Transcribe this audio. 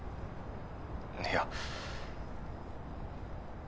いや。